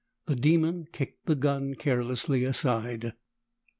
The demon kicked the gun carelessly aside.